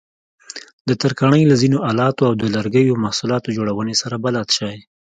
د ترکاڼۍ له ځینو آلاتو او د لرګیو محصولاتو جوړونې سره بلد شئ.